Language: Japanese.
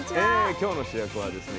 今日の主役はですね